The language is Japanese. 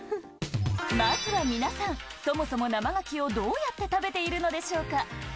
まずは皆さん、そもそも生ガキをどうやって食べているのでしょうか。